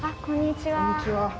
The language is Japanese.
こんにちは。